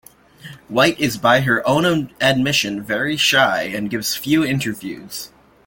White is-by her own admission-"very shy," and gives few interviews.